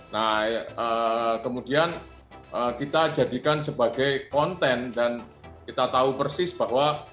nah kemudian kita jadikan sebagai konten dan kita tahu persis bahwa